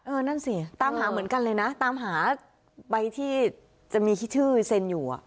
นั่นสิตามหาเหมือนกันเลยนะตามหาใบที่จะมีชื่อเซ็นอยู่อ่ะ